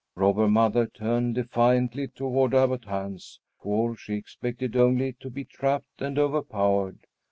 Robber Mother turned defiantly toward Abbot Hans, for she expected only to be trapped and overpowered.